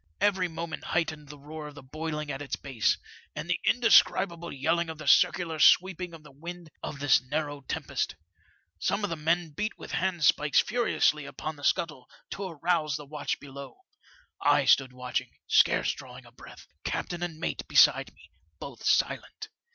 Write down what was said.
Every moment heightened the roar of the boiling at its base, and the indescribable yelling of the circular sweeping of the wind of this narrow tempest. Some of the men beat with handspikes furiously upon the scuttle FOUL OF A WATERSPOUT. 81 to arouse the watch below. I stood watching, scarce drawing a breath, captain and mate beside me, both silent.